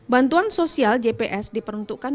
bantuan sosial jps diperuntukkan